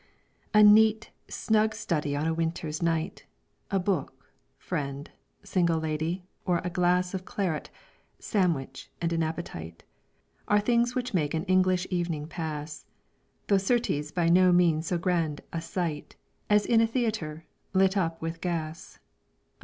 "A neat, snug study on a winter's night; A book, friend, single lady, or a glass Of claret, sandwich, and an appetite, Are things which make an English evening pass, Though certes by no means so grand a sight, As is a theatre, lit up with gas."